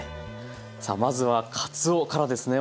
さあまずはかつおからですね。